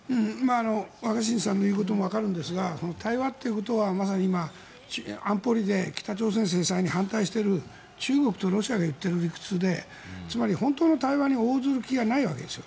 若新さんの言うこともわかるんですが対話ということはまさに今、安保理で北朝鮮制裁に反対している中国とロシアが言っている理屈でつまり、本当の対話に応じる気がないんです。